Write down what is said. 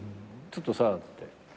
ちょっとさっつって。